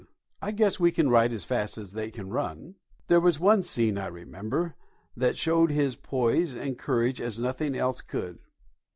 I guess we can ride as fast as they can run." There was one scene I remember, that showed his poise and courage as nothing else could.